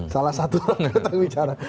salah satu orang yang bicara